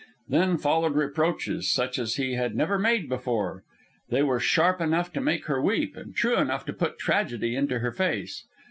Then followed reproaches, such as he had never made before. They were sharp enough to make her weep, and true enough to put tragedy into her face.